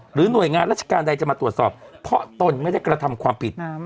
หน่วยงานราชการใดจะมาตรวจสอบเพราะตนไม่ได้กระทำความผิด